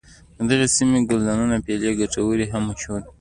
د دغې سیمې ګلدانونه پیالې کټوۍ هم مشهور دي.